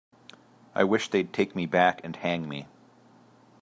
I wish they'd take me back and hang me.